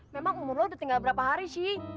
memang umur lo udah tinggal berapa hari sih